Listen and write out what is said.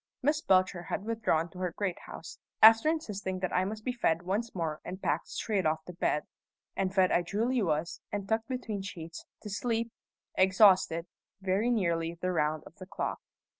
Miss Belcher had withdrawn to her great house, after insisting that I must be fed once more and packed straight off to bed; and fed I duly was, and tucked between sheets, to sleep, exhausted, very nearly the round of the clock.